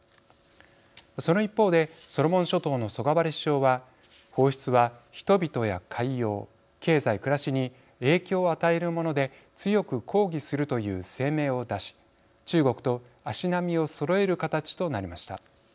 その一方でソロモン諸島のソガバレ首相は放出は人々や海洋経済暮らしに影響を与えるもので強く抗議するという声明を出し中国と足並みをそろえる形となりました。